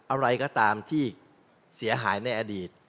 อะไรก็ตามที่เสียหายในอดีต